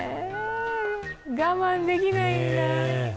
我慢できないんだ。